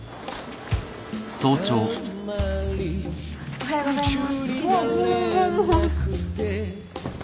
おはようございます。